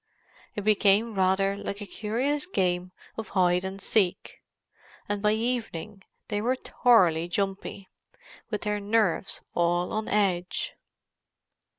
It became rather like a curious game of hide and seek, and by evening they were thoroughly "jumpy," with their nerves all on edge.